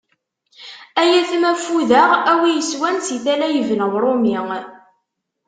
Ay atma ffudeɣ a wi yeswan si tala yebna Uṛumi.